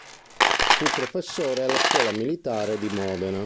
Fu professore alla Scuola militare di Modena.